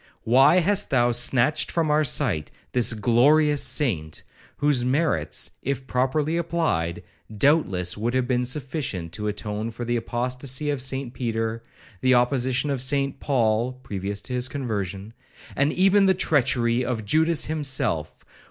Why hast thou snatched from our sight this glorious saint, whose merits, if properly applied, doubtless would have been sufficient to atone for the apostacy of St Peter, the opposition of St Paul, (previous to his conversion), and even the treachery of Judas himself?